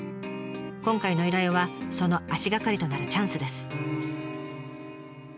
今回の依頼はその足がかりとなるチャンスです。